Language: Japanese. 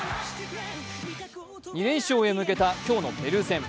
２連勝へ向けた、今日のペルー戦。